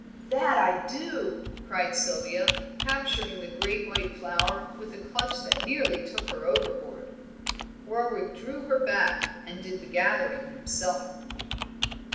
"That I do!" cried Sylvia, capturing a great white flower with a clutch that nearly took her overboard. Warwick drew her back and did the gathering himself.